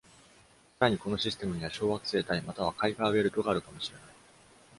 さらにこのシステムには小惑星帯またはカイパーベルトがあるかもしれない。